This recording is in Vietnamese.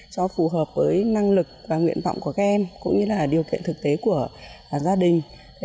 cho phù hợp với năng lực và nguyện vọng của các em cũng như là điều kiện thực tế của gia đình